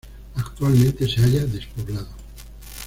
Actualmente se halla despoblado.